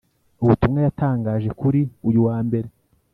ubutumwa yatangaje kuri uyu wa Mbere,